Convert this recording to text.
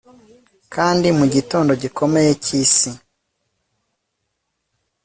kandi mugitondo gikomeye cyisi